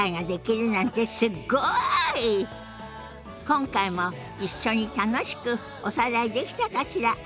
今回も一緒に楽しくおさらいできたかしら？